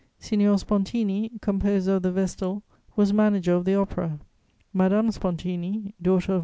Signor Spontini, composer of the Vestal, was manager of the Opera. Madame Spontini, daughter of M.